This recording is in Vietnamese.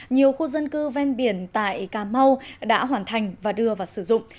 nhiều khu dân cư ven biển tại cà mau đã hoàn thành và đưa vào sử dụng